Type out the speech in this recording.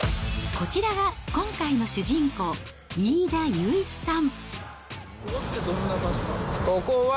はい、どうもー、こちらが今回の主人公、飯田祐一さん。